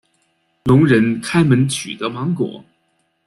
聋人开门取得芒果。